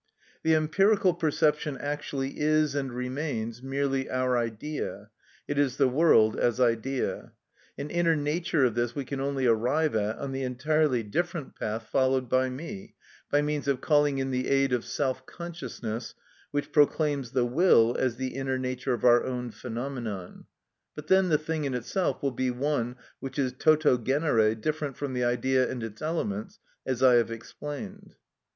The empirical perception actually is and remains merely our idea: it is the world as idea. An inner nature of this we can only arrive at on the entirely different path followed by me, by means of calling in the aid of self consciousness, which proclaims the will as the inner nature of our own phenomenon; but then the thing in itself will be one which is toto genere different from the idea and its elements, as I have explained.